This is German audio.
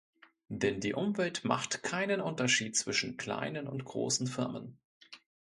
Denn die Umwelt macht keinen Unterschied zwischen kleinen und großen Firmen.